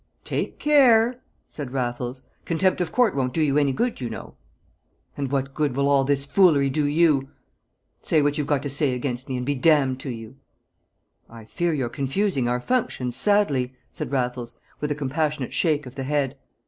"Take care!" said Raffles. "Contempt of court won't do you any good, you know!" "And what good will all this foolery do you? Say what you've got to say against me, and be damned to you!" "I fear you're confusing our functions sadly," said Raffles, with a compassionate shake of the head.